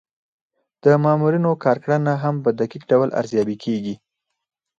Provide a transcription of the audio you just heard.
د مامورینو کارکړنه هم په دقیق ډول ارزیابي کیږي.